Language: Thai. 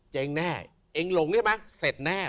เจ๊งแน่เองหลงใช่ไหมเสร็จแน่